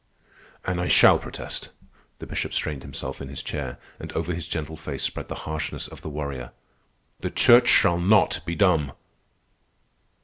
"And I shall protest." The Bishop straightened himself in his chair, and over his gentle face spread the harshness of the warrior. "The Church shall not be dumb!"